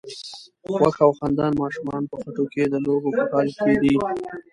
خوښ او خندان ماشومان په خټو کې د لوبو په حال کې دي.